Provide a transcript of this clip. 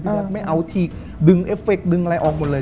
จะไม่เอาได้ดึงดึงอะไรออกหมดเลย